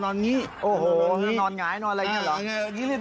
อย่าไปสายใจพี่บุ๊ค